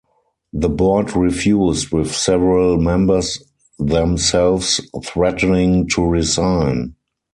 The board refused, with several members themselves threatening to resign.